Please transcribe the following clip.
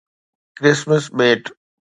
Christmas ٻيٽ